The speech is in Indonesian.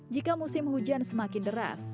jika musim hujan semakin deras